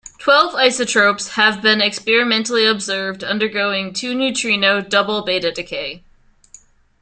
Twelve isotopes have been experimentally observed undergoing two-neutrino double beta decay.